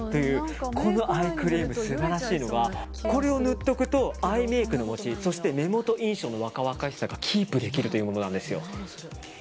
このアイクリーム素晴らしいのはこれを塗っておくとアイメイクのもち目元印象の若々しさがキープできるというものなんです。